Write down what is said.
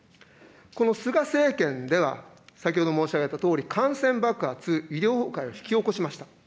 この菅政権では、先ほど申し上げたとおり、感染爆発、医療崩壊を引き起こしました。